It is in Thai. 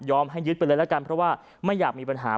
ให้ยึดไปเลยละกันเพราะว่าไม่อยากมีปัญหา